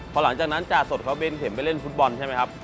พอหลังจากนั้นจาสดเขาเบ้นเข็มไปเล่นฟุตบอลใช่ไหมครับ